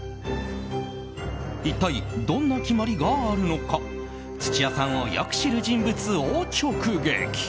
一体どんな決まりがあるのか土屋さんをよく知る人物を直撃。